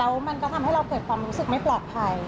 แล้วมันก็ทำให้เราเกิดความรู้สึกไม่ปลอดภัย